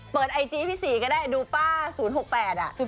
เปิดไอจีพี่ศรีก็ได้ดูป้า๐๖๘